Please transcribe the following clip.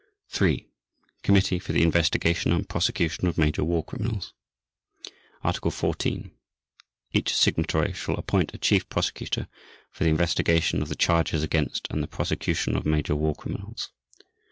III. COMMITTEE FOR THE INVESTIGATION AND PROSECUTION OF MAJOR WAR CRIMINALS Article 14. Each Signatory shall appoint a Chief Prosecutor for the investigation of the charges against and the prosecution of major war criminals.